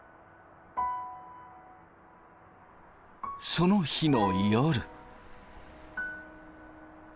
その日の夜。